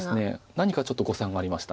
何かちょっと誤算がありました。